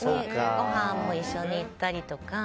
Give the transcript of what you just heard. ごはんも一緒に行ったりとか。